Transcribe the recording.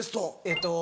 えっと